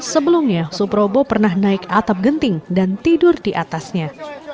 sebelumnya suprobo pernah naik atap genting dan tidur di atasnya